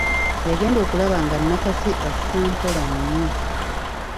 Yagenda okulaba nga Nakasi assa mpola nnyo.